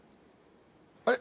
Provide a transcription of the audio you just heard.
あれ？